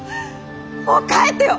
もう帰ってよ！